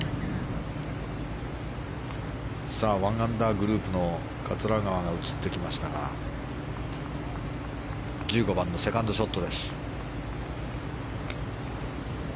さあ、１アンダーグループの桂川が映ってきましたが１５番のセカンドショットです。